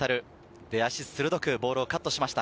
出足が鋭くボールをカットしました。